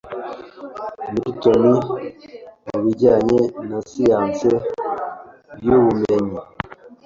Milton mubijyanye na siyansi yubumenyi